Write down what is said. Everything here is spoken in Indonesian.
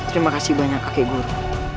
terima kasih banyak kakek guru